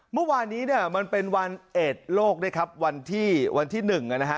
เมื่อวานนี้เนี่ยมันเป็นวันเอ็ดโลกนะครับวันที่วันที่หนึ่งอ่ะนะฮะ